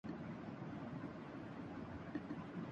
جب سب لوگ بیدار ہو چکے تو ناشتہ وغیرہ تیار کیا گیا